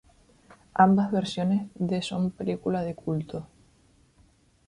Ambas versiones de son películas de culto.